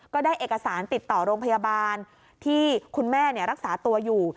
ก็ได้เอกสารติดต่อโรงพยาบาลที่คุณแม่รักษาตัวอยู่